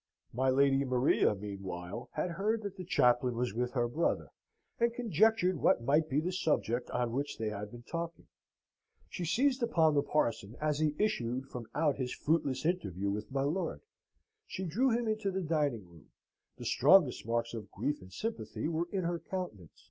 My Lady Maria meanwhile had heard that the chaplain was with her brother, and conjectured what might be the subject on which they had been talking. She seized upon the parson as he issued from out his fruitless interview with my lord. She drew him into the dining room: the strongest marks of grief and sympathy were in her countenance.